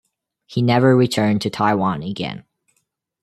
He never returned to Taiwan again.